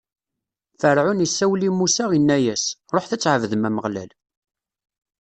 Ferɛun isawel i Musa, inna-as: Ṛuḥet Ad tɛebdem Ameɣlal.